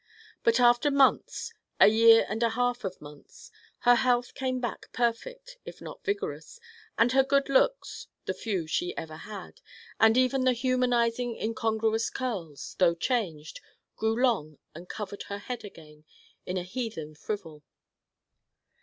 But after months, a year and a half of months, her health came back perfect if not vigorous, and her good looks the few she ever had, and even the humanizing incongruous curls, though changed, grew long and covered her head again in a heathen frivol.